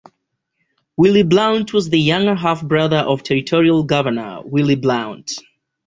Willie Blount was the younger half-brother of territorial governor, William Blount.